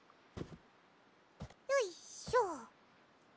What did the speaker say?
よいしょ。